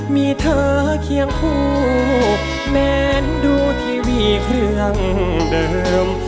มีเธอเคียงคู่แม้นดูทีวีเครื่องเดิม